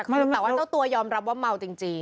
ไม่รู้เมาอะไรแต่ตัวยอมรับว่าเมาจริง